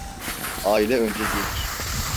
Aile önce gelir.